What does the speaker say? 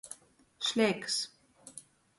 Šleikys.